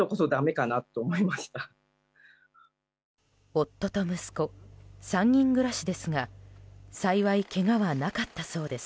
夫と息子３人暮らしですが幸いけがはなかったそうです。